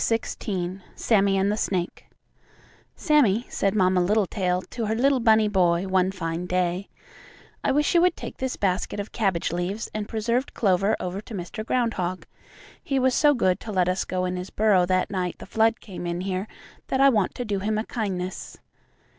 XVI SAMMIE AND THE SNAKE "Sammie," said Mamma Littletail to her little bunny boy one fine day, "I wish you would take this basket of cabbage leaves and preserved clover over to Mr. Groundhog. He was so good to let us go in his burrow that night the flood came in here that I want to do him a kindness."